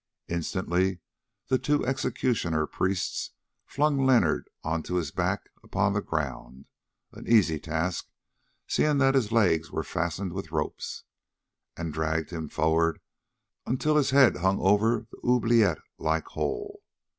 Instantly the two executioner priests flung Leonard on to his back upon the ground, an easy task seeing that his legs were fastened with ropes, and dragged him forward until his head hung over the oubliette like hole.